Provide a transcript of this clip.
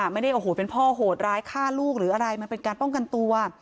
ไม่ได้โอ้โหเป็นพ่อโหดร้ายฆ่าลูกหรืออะไรมันเป็นการป้องกันตัว